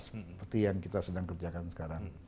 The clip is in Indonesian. seperti yang kita sedang kerjakan sekarang